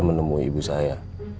menemui ibu saya